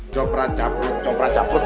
jopra jabut jopra jabut